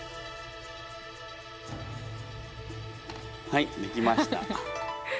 はい出来ました。